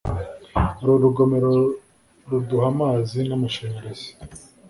uru rugomero ruduha amazi n'amashanyarazi